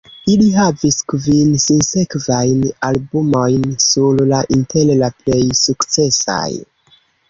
Ili havis kvin sinsekvajn albumojn sur la inter la plej sukcesaj.